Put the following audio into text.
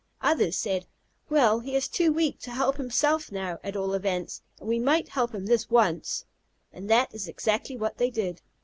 Others said, "Well, he is too weak to help himself now, at all events, and we might help him this once." And that is exactly what they did.